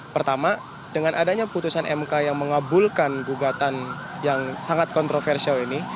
pertama dengan adanya putusan mk yang mengabulkan gugatan yang sangat kontroversial ini